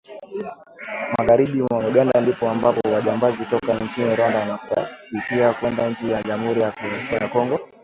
Magharibi mwa Uganda ndipo ambapo wajambazi toka inchini Rwanda wanapitia kuenda inchi ya Jamuri ya kidemokrasia ya Kongo